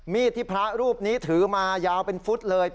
ที่พระรูปนี้ถือมายาวเป็นฟุตเลย